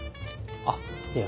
あっいえ